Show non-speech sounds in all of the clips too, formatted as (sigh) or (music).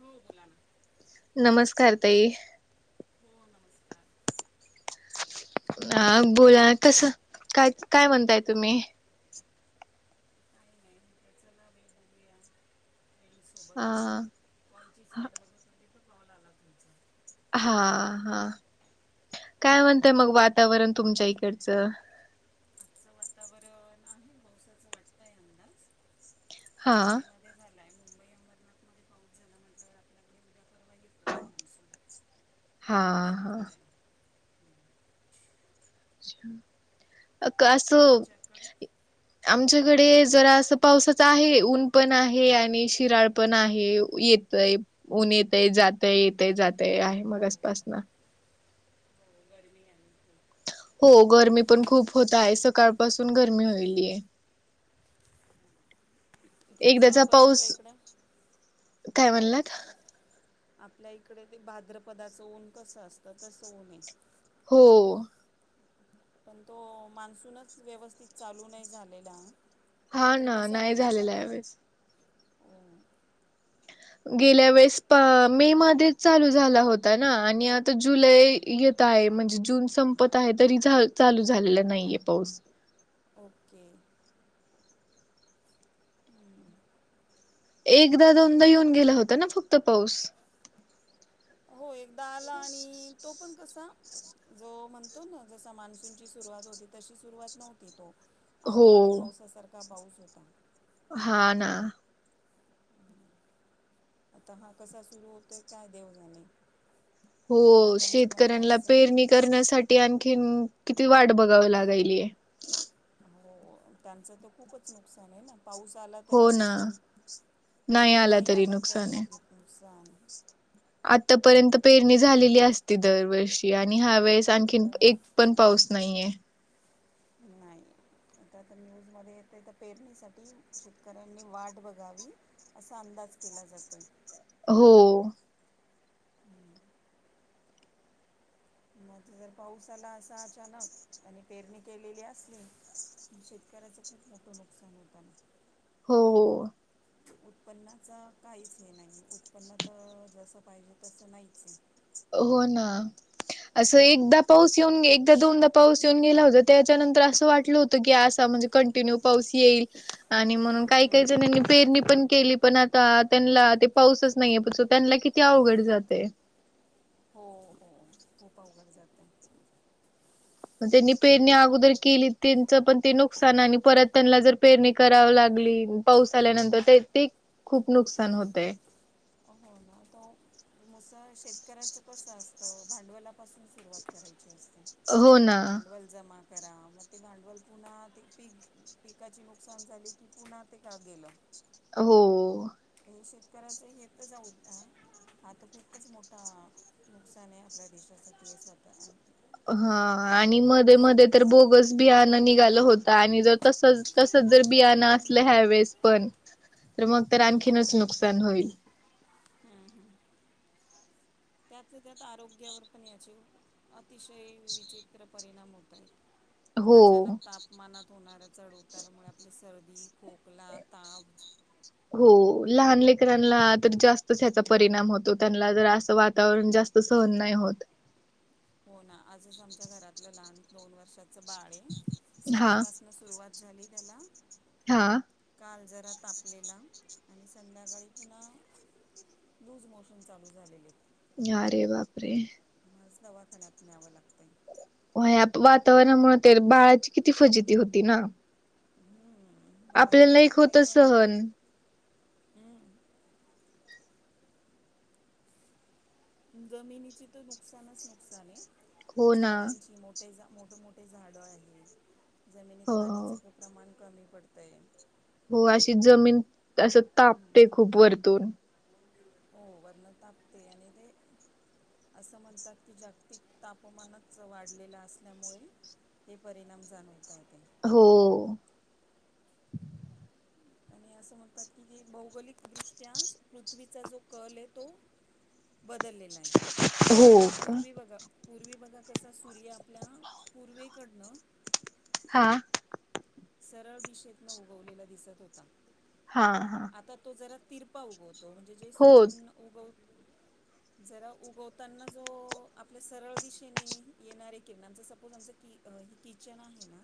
हो बोला ना नमस्कार ताई! हो नमस्कार! ह काय म्हणताय बोला कस काय काय म्हणताय तुम्ही? काय नाही म्हटलं अ सोबत फोनची वाट बघत होते कॉल आला तुमचा. हा हा काय म्हणतय मग वातावरण तुमच्या इकडचं आजचं वातावरण आहे पावसाच वाटतय अंदाज हा मुंबई ते झालायं आपल्याकडे उद्या परवा येतोय मान्सून हा असं हा वाटतंय हम्म. अ का असं तुमच्याकडे आमच्याकडे जरा असं पावसाचं आहे ऊन पण आहे आणि शिराळ पण आहे येतय ऊन येतय जातय येतय जातय आहे मगासपासन गर्मी आहे खूप हो गरमी पण खूप होत आहे सकाळपासून गरमी होईली आहे (unintelligible) ते कसं एकदाचा आपण पाऊस आपल्या इकडं काय हो म्हणलात आपल्या इकडे ते भाद्रपदाचं ऊन कसं असतं तसं ऊन ए हो पण तो मान्सूनच व्यवस्थित चालू नाही झालेला हा तर ना कसा नाही उन्हा झालेला ह्या वेळेस ओ- गेल्या वेळेस प मे मध्येच चालू झाला होता ना आणि आता जुलै य ताय म्हणजे जून संपत आहे तरी झा चालू झालेला नाहीये पाऊस ओके हम्म एकदा दोनदा येऊन गेला होता ना फक्त पाऊस हो एकदा आला आणि तो पण कसा जो म्हणतो ना जसा मान्सूनची सुरुवात होती तशी सुरुवात नव्हती तो हो अवकाळी पावसासारखा पाऊस होता हा ना आता हा कसा सुरू होतोय काय देव जाणे हो लोकांचं म्हणणं शेतकऱ्यांला असं पेरणी आहे करण्यासाठी आणखीन किती वाट बघाव लागायलीये हो त्यांचं तर खूपच नुकसान आहे ना पाऊस आला तरी हो ना नुकसान आणि नाही आला तरी नुकसान आतापर्यंत पेरणी झालेली असती दरवर्षी आणि हा वेळेस आणखी हो एक पण पाऊस नाहीये नाही आता तर न्यूजमध्ये येतंय तर पेरणीसाठी शेतकऱ्यांनी वाट बघावी असा अंदाज केला जातोय हो म ते जर पाऊस आला असा अचानक आणि पेरणी केलेली असली पण शेतकऱ्याचं खूप मोठं नुकसान होतं ना हो हो उत्पन्नाचा काहीच हे नाहीये उत्पन्न तर जसं पाहिजे तसं नाहीच आहे हो ना असं हम्म. एकदा पाऊस येऊन एकदा दोनदा पाऊस येऊन गेला होता त्याच्यानंतर असं वाटलं होतं की असा म्हणजे कंन्टीन्यू पाऊस येईल आणि म्हणून काय काय जणांनी पेरणी पण केली पण आता त्यांला ते पाऊसच नाहीये त्यांना किती अवघड जातंय हो हो खूप अवघड जातय तेंनी पेरणी अगोदर केली तेंचं पण ते नुकसान आणि परत त्यांला जर पेरणी करावं लागली पाऊस आल्यानंतर ते ते खूप नुकसान होतं हो ना तो मुसळ शेतकऱ्याचं कसं असतं भांडवलापासून सुरूवात करायची असते हो ना भांडवल जमा करा मग ते भांडवल पुन्हा ते पिक पिकाची नुकसान झाली की पुन्हा ते काम गेलं हो शेतकऱ्याचं हे त जाऊद्या हा तर खूपच मोठा नुकसानं आपल्या देशासाठी अ स्वतः आणि ह आणि मदे मदे तर पण बोगस बियाण निघालं होत आणि जर तसचं, तसचं जर बियाणं असलं ह्यावेळेस पण तर मग तर आणखीनच नुकसान होईल. हम्म हम्म.. त्याचत त्यात आरोग्यावर पण याचे अतिशय विचित्र परिणाम होत आहेत. हो. अचानक तापमानात होणाऱ्या चढउतारामुळे आपली सर्दी, खोकला, ताप. हो लहान लेकरांला तर जास्तच ह्याचा परिणाम होतो त्यांला जर अस वातावरण जास् त सहन नाही होत. हो ना आजच आमच्या घरातलं लहान दोन वर्षाचं बाळं हा सर्दीपास म सुरवात झाली त्याला, हा काल जरा तापलेला आणि संध्याकाळी पुन्हा लूज मोशन चालू झालेले.. या रे बापरे! आज दवाखान्यात न्यावं लागतंय. होय यात वातावरणामुळं ते बाळाची किती फजिती होती ना. हम्म बाळाला आपल्याला काय एक काय होत कळतं.. सहन जमिनीची तर नुकसानच नुकसानं, हो ना झाडांची मोठ तेयजा मोठ मोठे झाडं आहे, जमिनीत हो पाण्याचं ते प्रमाण कमी पडतं आहे. हो अशी जमीन ते असं तापते खूप वरतून. हो वरन तापते आणि ते.. असं म्हणतात की जागतिक तापमानच वाढलेलं असल्यामुळे हे परिणाम जाणवता येत.. हो. आणि असं म्हणतात की जे भौगोलिक दृष्ट्या पृथ्वीचा जो कलं तो बदललेलाय.. हो का पूर्वी बघा पूर्वी बघा कसा सूर्य आपल्या पूर्वेकडनं हा, सरळ दिशेतन उगवलेला दिसत होता.. हा हा.. आता तो जरा तिरपा उगवतो म्हणजे जेस् हो ऊन उगव जरा उगवताना जो आपल्या सरळ दिशेने येणारे किरणांचा सपोज आमच कि अ ही किचन आहे ना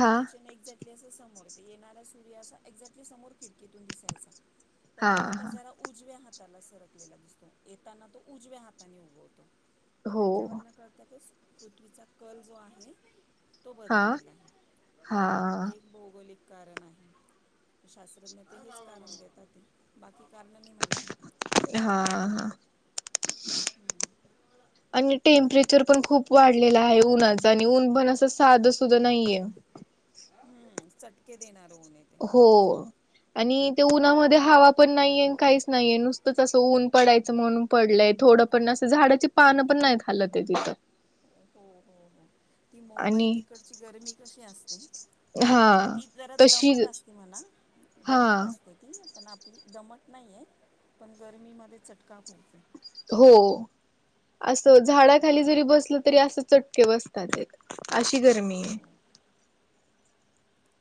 ती कि, एक्झाक्टली अस समोर ते येणारा सूर्य असा एक्झॅक्टली समोर खिडकीतून दिसायचा.. पण हा तो आता हा जरा उजव्या हाताला सरकलेला दिसतो येताना तो उजव्या हाताने उगवतो... हो त्याच्यावरन कळत तेच पृथ्वीचा कल जो आहे तो हा बदललेला आहे... हा हे एक भौगोलिक कारण आहे, शास्त्रज्ञ ते हेच कारण देतातं.. बाकी कारण.. हा हा.. आणि टेम्परेचर पण खूप वाढलेल हाये उन्हाच आणि ऊन पण असं साध सुद नाहीये.. हम्म, चटके देणार ऊनं. हो.. आणि ते उन्हामध्ये हवा पण नाहीये काहीच नाहीये नुसतंच असं ऊन पडायचं म्हणून पडलंय थोडं पण असं झाडाची पान पण नाही हालत इथं.. हो, हो, हो ती मुंबई आणि तिकडची गरमी कशी असते? हा ती जरा तशी दमट असते म्हणा, हा दमट असते. त पण आपली दमट नाही आहे पण गरमीमध्ये चटका हो. असं झाडाखाली जरी बसलं तरी असं चटके बसतात अशी गरमी आहे. हो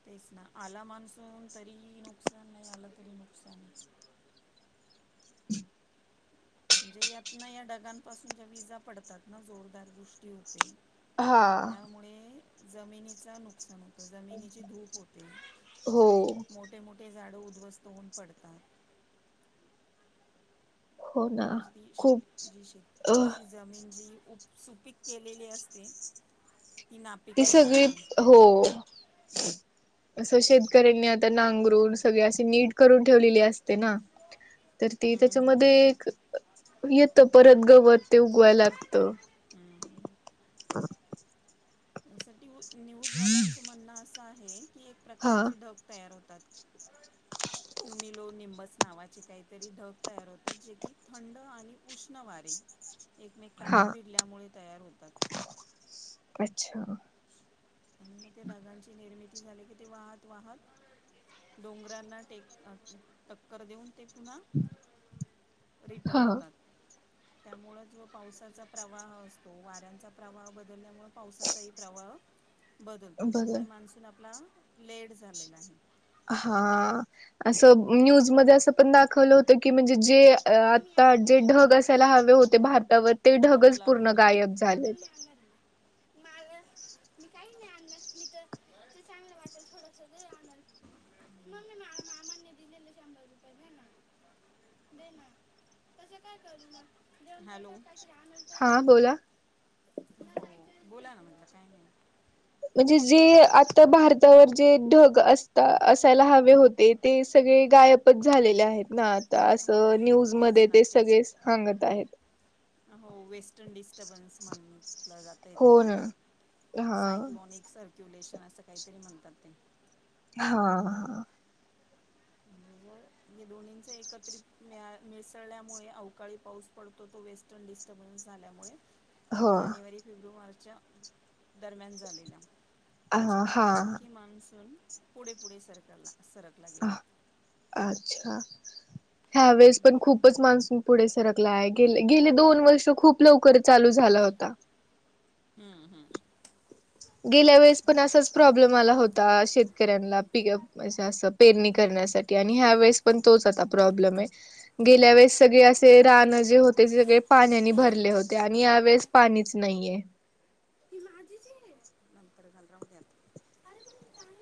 तेच ना आला मानसून तरी नुकसान नाही आला तरी नुकसान आहे.. हम् (unintelligible) म्हणजे यात ना या ढगांपासून जे विजा पडतात ना जोरदार दृष्टी होते.. हा त्यामुळे जमिनीच नुकसान होत. त जमिनीची धूप होते. हो मोठे (inaudible) मोोठे झाडं उद्ध्वस्त होऊन पडतात. हो ना (unintelligible) (inaudible) न खूप अ जची जमीन जीप सुपीक केलेली असते. नापीक ती होऊन सगळी जाते हो, असं शेतकऱ्यांनी आता नांगरून सगळे असे नीट करून ठेवलेली असते ना. तर ते हम्म, हम्म. त्याच्यामध्ये येत परत गवत ते उगवाय लागत. ह. ब (unintelligible) (inaudible) यासाठी न्यूजवाल्यांचं म्हणणं असं आहे की एक हा प्रकारचे ढग तयार होतात. (unintelligible) (inaudible) क्युमिलो निंबस नावाचे काहीतरी ढग तयार होतात जे की थंड आणि उष्ण वारे. ह (unintelligible) (inaudible) एकमेकांना भिडल्यामुळे तयार होतात. अच्छा, त्या ढागांची निर्मिती झाली की ते वाहत. वाहत डोंगरांना (inaudible) टेक टक्कर देऊन ते पुन्हा रिटन हा होतात. त्यामुंच जो पावसाचा प्रवाह असतो. वाऱ्यांचा प्रवाह बदलल्यामुळें पावसाचाही प्रवाह बदलतो बर त्यामुळे मान्सून आपला लेट झालेला आहे. हा असं न्यूज मध्ये असं पण दाखवलं होत की म्हणजे जे अ मम्मी आता आम्हाला डी जे आय वायला ढग असायला जायचं हवे होते नव्हतं भारतावर ते ढगच बॉटल आणू पूर्ण नको गायब बॉटल नाही झालेत. आणणार मी (unintelligible) मला (inaudible) मी काही नाही आणल मी तर ते चांगलं वाटेल थोडस ते आणाल. (inaudible) म् मा मामान (inaudible) दि दि संभर रुपय (inaudible) आहे ना (unintelligible) नाही ना तसं काय करू म (inaudible) दे आन त हा बोला. हो बोला ना म्हजला काय नाही. म्हणजे जे आता भारतावर जे ढग असता असायला हवे होते. ते सगळे गायबच झालेले आहेत ना, आता हो असं हो तेच न्यूजमध्येध्ये ना ते सगळे. सागत आहेत. हो वेस्टर्न डिस्टर्बन्स म्हटलं जात आहे. हो त्याला ना हा सायक्लोनिक सर्क्युलेशन असं काहीतरी म्हणतात ते. हा हा. (inaudible) हे दोन्हींचे एकत्रित मिळसळल्यामुळे अवकाळी पाऊस पडतो तो. वेस्टर्न डिस्टर्बन्स झाल्यामुळे हो जानेवारी, फेब्रुवारच्या दरम्यान झालेला हा त्याच्यामुळं तो हा आणखी मानसून पुढे पुढे सरकला सरकला गेला. अच्छा, ह्या वेळेस पण खूपच मान्सून पुढे सरकला आहे गेले गेले दोन वर्ष खूप लवकर चालू झाला होता. हम्म हम्म. गेल्या वेळेस हो पण ना. असाच प्रॉब्लेम आला होता, शेतकऱ्यांला पी म्हणजे असं पेरणी करण्यासाठी आणि ह्या वेळेस पण तोच आता प्रॉब्लेम आहे, गेल्या वेळेस सगळे असे रानं जे होते ज सगळे पाण्याने भरले होते आणि यावेेळेस पाणीच नाहीये. ही माझीच हे. नंतर घाल राहुदे आता आरे पण काही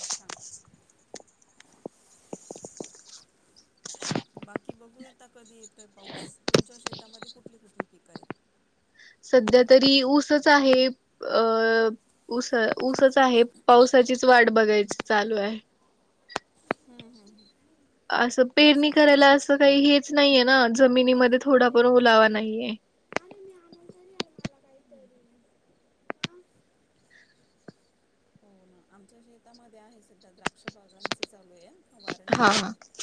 अच्छा. बाकी बघूया आता कधी येतोय पाऊस, तुमच्या शेतामध्ये कुठली कुठली पिक आहेत? सध्या तरी ऊसच आहे अ ऊस ऊसच आहे पावसाचीच वाट बघायची चालू आहे. हम्म हम्. असं पेरणी करायला असं काही हेच नाहीये ना जमिनीमध्ये ते थोडा पण पैसे ओलावा नाहीये. अरे मी आमोल तरी आ मला काही तरी हो आमच्या शेतामध्ये आहे सध्या द्राक्षबागांचं चालू हे फवारणी हा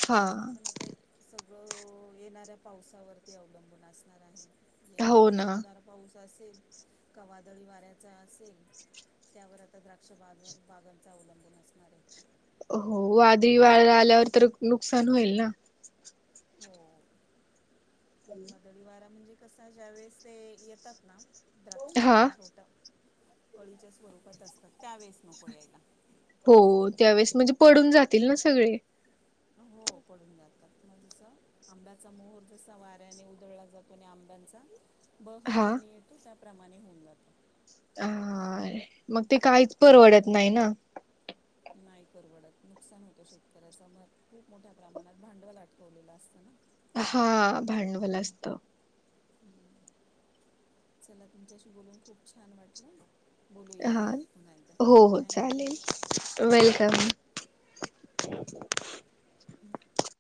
हा पण आता सगळं येणाऱ्या पावसावरती अवलंबून असणार आहे, हो येणारा ना. जोरदार पाऊस असेल का वादळी वाऱ्याचा असेल त्यावर आता द्राक्ष बाग बागांचा अवलंबून असणार आहे. हो वादळी वाळ आल्यावर तर नुकसान होईल ना. हो, वादळी वारा म्हणजे कसा ज्यावेेळेस ते येतात ना द्राक्ष हा छोट कळीच्या स्वरूपात असतात त्यावेेळेस नको यायला. हो त्यावेेळेस म्हणजे पडून जातील ना सगळे. हो पडून जातात, तुम्हाला तसं आंब्याचा मोहर जसा वाऱ्याने उधळला जातो आणि आंब्यांचा बहर हा कमी येतो त्याप्रमाणे होऊन जात. हा मग ते काहीच परवडत नाही ना, नाही परवडत नुकसान होतं शेतकऱ्याच मग खूप मोठ्या प्रमाणात भांडवल अटकवलेलं असतं ना. हा भांडवल असत. चला तुमच्याशी बोलून खूप छान वाटलं, बोलूया हा परत पुन्हा एकदा हो हो थँक्यू. चालेल वेलकम. (unintelligible) हम्